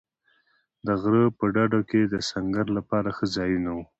د غره په ډډو کې د سنګر لپاره ښه ځایونه و.